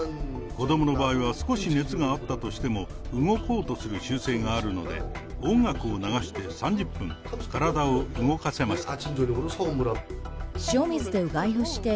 子どもの場合は少し熱があったとしても、動こうとする習性があるので、音楽を流して３０分、体を動かせました。